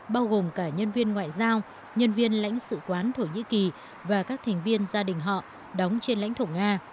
bao gồm cả nhân viên ngoại giao nhân viên lãnh sự quán thổ nhĩ kỳ và các thành viên gia đình họ đóng trên lãnh thổ nga